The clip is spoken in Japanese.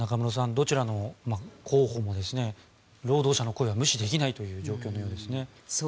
どちらの候補も労働者の声は無視できないという状況のようですね。